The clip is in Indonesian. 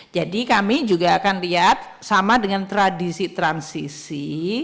jadi kami juga akan lihat sama dengan tradisi transisi